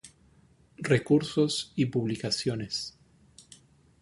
Recursos y publicaciones